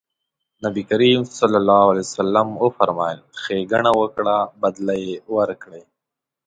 نبي کريم ص وفرمایل ښېګڼه وکړه بدله يې ورکړئ.